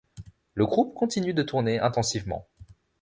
Le groupe continue de tourner intensivement.